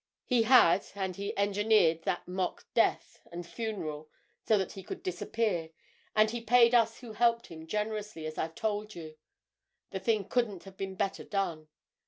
He had—and he engineered that mock death and funeral so that he could disappear, and he paid us who helped him generously, as I've told you. The thing couldn't have been better done.